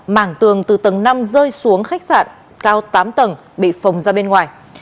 mảng tường từ tầng năm rơi xuống khách sạn cao tám tầng bị phồng ra bên ngoài